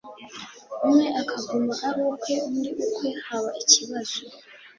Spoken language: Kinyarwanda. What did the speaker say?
umwe akaguma ari ukwe undi ukwe, haba ikibazo